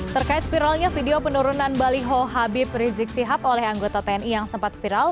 terkait viralnya video penurunan baliho habib rizik sihab oleh anggota tni yang sempat viral